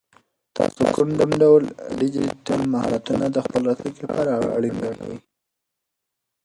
تاسو کوم ډول ډیجیټل مهارتونه د خپل راتلونکي لپاره اړین ګڼئ؟